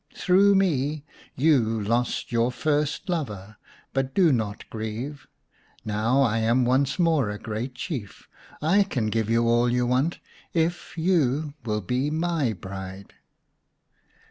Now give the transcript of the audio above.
Through me you lost your first lover, but do not grieve. Now I am once more a great Chief, I can give you all you want if you will be my bride."